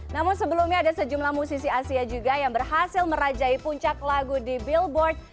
namun sebelumnya ada sejumlah musisi asia juga yang berhasil merajai puncak lagu di billboard